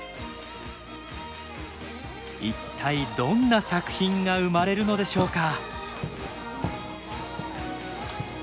一体どんな作品が生まれるのでしょうか？